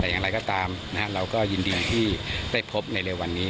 แต่อย่างไรก็ตามเราก็ยินดีที่ได้พบในเร็ววันนี้